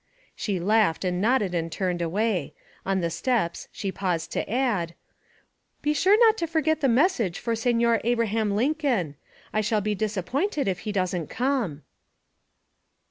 She laughed and nodded and turned away. On the steps she paused to add 'Be sure not to forget the message for Signor Abraham Lincoln. I shall be disappointed if he doesn't come.'